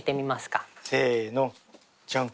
せのジャン。